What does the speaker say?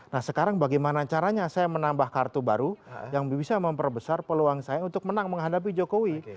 nah sekarang bagaimana caranya saya menambah kartu baru yang bisa memperbesar peluang saya untuk menang menghadapi jokowi